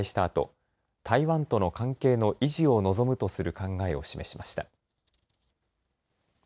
あと台湾との関係の維持を望むとする考えを示しました。